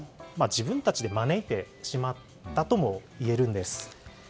自分たちで招いてしまったともいえるんです。